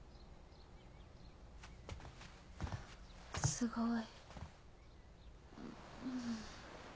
すごい。